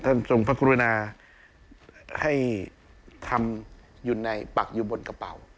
ทรงพระกรุณาให้ทำอยู่ในปักอยู่บนกระเป๋า